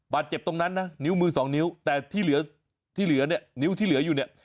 บาดเจ็บตรงนั้นนะนิ้วมือสองนิ้วแต่ที่เหลือที่เหลือเนี่ยนิ้วที่เหลืออยู่เนี่ย